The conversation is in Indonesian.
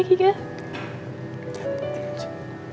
dengi jangan kayak gitu lagi ya